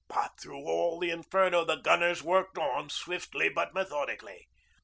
But through all the inferno the gunners worked on, swiftly but methodically.